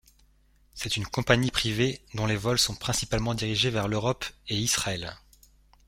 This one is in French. C'est une compagnie privée, dont les vols sont principalement dirigés vers l'Europe et Israël.